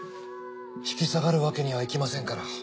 引き下がるわけにはいきませんから。